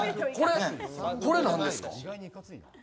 これなんですか？